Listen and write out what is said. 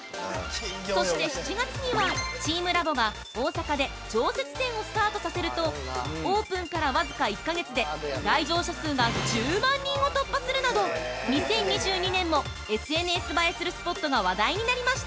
◆そして７月には、チームラボが大阪で常設展をスタートさせるとオープンからわずか１か月で来場者数が１０万人を突破するなど２０２２年もＳＮＳ映えするスポットが話題になりました。